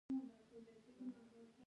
د پروسټیټ هایپرپلاسیا نارینه ډېروي.